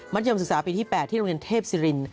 ยมศึกษาปีที่๘ที่โรงเรียนเทพศิริน